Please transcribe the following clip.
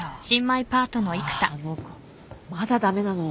あっあの子まだ駄目なの？